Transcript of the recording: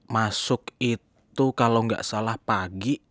masuk itu kalau nggak salah pagi